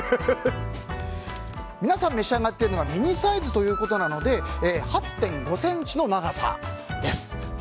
皆さん、召し上がっているのはミニサイズということで８．５ｃｍの長さです。